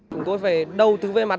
chúng tôi phải đầu tư về mặt